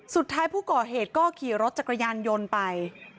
สุดท้ายผู้ก่อเหตุก็ขี่รถจักรยานยนต์ไป